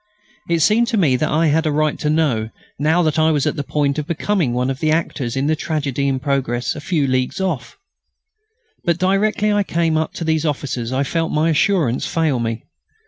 It seemed to me that I had a right to know, now that I was on the point of becoming one of the actors in the tragedy in progress a few leagues off. But directly I came up to these officers I felt my assurance fail me.